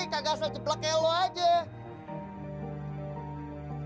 kagak asal jeblak kayak lo aja